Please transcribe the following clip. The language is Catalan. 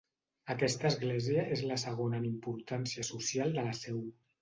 Aquesta Església és la segona en importància social de la Seu.